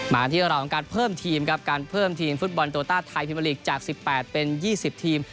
มากันที่ราวของการเพิ่มทีมครับการเพิ่มทีมฟุตบอลโต้ต้าไทยพิมพลีกจากสิบแปดเป็นยี่สิบทีม